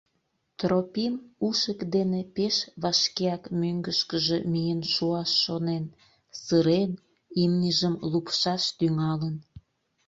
Тропим ушык дене пеш вашкеак мӧҥгышкыжӧ миен шуаш шонен; сырен, имньыжым лупшаш тӱҥалын.